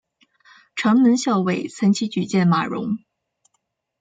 城门校尉岑起举荐马融。